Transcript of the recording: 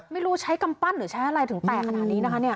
ไม่รู้ใช้กำปั้นหรือใช้อะไรถึงแตกขนาดนี้นะคะเนี่ย